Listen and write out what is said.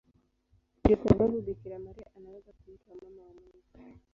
Ndiyo sababu Bikira Maria anaweza kuitwa Mama wa Mungu.